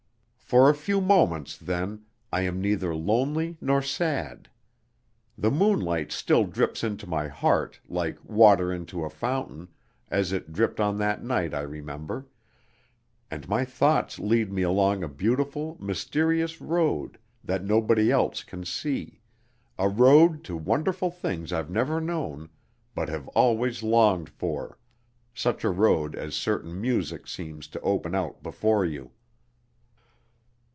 For a few moments then, I am neither lonely nor sad. The moonlight still drips into my heart, like water into a fountain, as it dripped on that night I remember: and my thoughts lead me along a beautiful, mysterious road that nobody else can see a road to wonderful things I've never known, but have always longed for, such a road as certain music seems to open out before you."